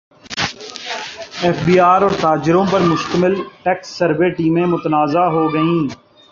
F B R اور تاجروں پر مشتمل ٹیکس سروے ٹیمیں متنازع ہو گئیں